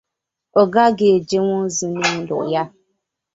ọ gaghị ejenwu ozi n’ụlọ ya.